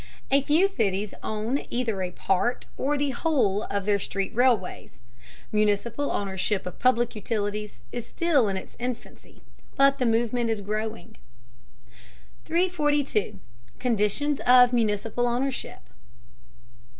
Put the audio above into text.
A few cities own either a part or the whole of their street railways. Municipal ownership of public utilities is still in its infancy, but the movement is growing. 342. CONDITIONS OF MUNICIPAL OWNERSHIP.